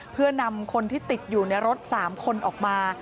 เพื่อนำคนที่ติดอยู่ในรถ๓คนออกมา